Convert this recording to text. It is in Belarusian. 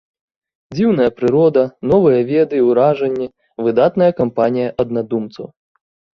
Дзіўная прырода, новыя веды і ўражанні, выдатная кампанія аднадумцаў.